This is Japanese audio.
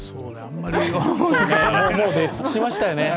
もう出尽くしましたよね。